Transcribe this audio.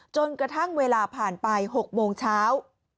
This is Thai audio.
จนกระทั่งเวลาผ่านไป๖โมงเช้า